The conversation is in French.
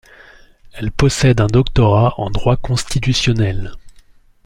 Elle possède un doctorat en droit constitutionnel.